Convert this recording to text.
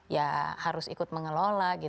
ya harus ikut mengelola